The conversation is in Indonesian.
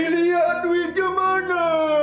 liat duitnya mana